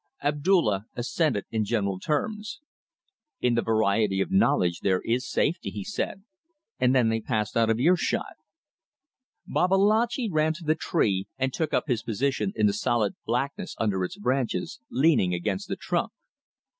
Abdulla assented in general terms. "In the variety of knowledge there is safety," he said; and then they passed out of earshot. Babalatchi ran to the tree and took up his position in the solid blackness under its branches, leaning against the trunk.